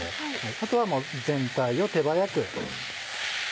あとは全体を手早く。